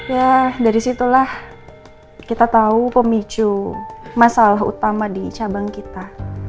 ya dari situlah kita tahu pemicu masalah utama di cabang kita